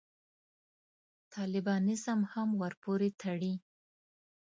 طالبانیزم هم ورپورې تړي.